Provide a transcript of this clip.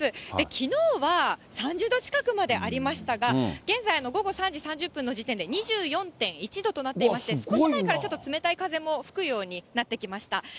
きのうは３０度近くまでありましたが、現在、午後３時３０分の時点で２４．１度となっていまして、少し前からちょっと冷たい風も吹くようになってきました。